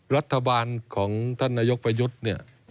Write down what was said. รัฐบาลของท่านนายกประยุทธ์เนี่ย